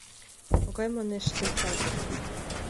Могай, манеш, тый кадр?